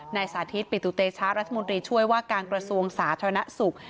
สาธิตปิตุเตชะรัฐมนตรีช่วยว่าการกระทรวงสาธารณสุข